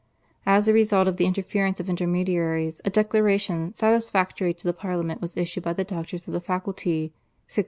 As a result of the interference of intermediaries a declaration satisfactory to the Parliament was issued by the doctors of the faculty (1663).